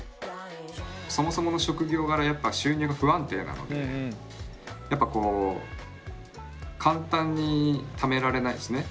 そもそもの職業柄やっぱ収入が不安定なのでやっぱこう簡単にためられないですね。